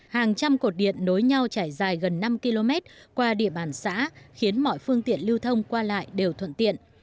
hàng trăm cột điện nối nhau trải dài gần năm km qua địa bàn xã khiến mọi phương tiện lưu thông qua lại đều thuận tiện